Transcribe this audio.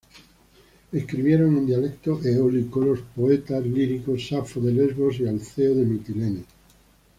Escribieron en dialecto eólico los poetas líricos Safo de Lesbos y Alceo de Mitilene.